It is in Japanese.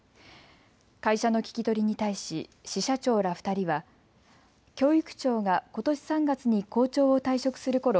会社の聞き取りに対し支社長ら２人は教育長がことし３月に校長を退職するころ